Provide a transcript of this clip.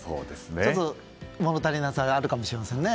ちょっと物足りなさがあるかもしれませんね。